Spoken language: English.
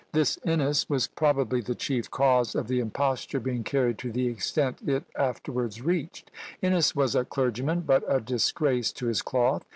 This Innes was probably the chief cause of the imposture being carried to the extent it afterwards reached. Innes was a clergyman, but a disgrace to his cloth.